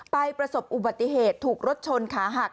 ประสบอุบัติเหตุถูกรถชนขาหัก